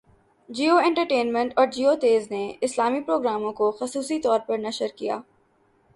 Jio entertainment اور جیو تیز نے اسلامی پروگراموں کو خصوصی طور پر نشر کیا